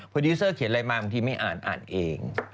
พนักงานเขียนอะไรมาบางทีไม่อ่านอ่านเอง